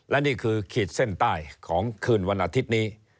และนี่คือขีดเส้นใต้ของคืนวันอาทิตย์นี้